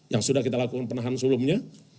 yang sudah kita lakukan penahan sebelumnya